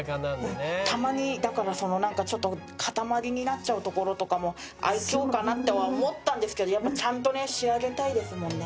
たまにだからなんかちょっと塊になっちゃうところとかも愛嬌かなとは思ったんですけどやっぱちゃんとね仕上げたいですもんね。